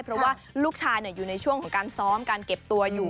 เพราะว่าลูกชายอยู่ในช่วงของการซ้อมการเก็บตัวอยู่